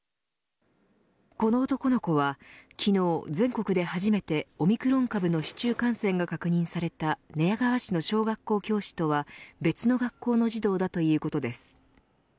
この男の子は昨日、全国で初めてオミクロン株の市中感染が確認された寝屋川市の小学校教師とは別の学校の児童だということです。